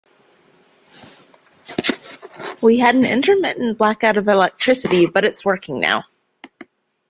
We had an intermittent blackout of electricity, but it's working now.